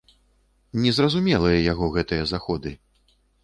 Незразумелыя яго гэтыя заходы.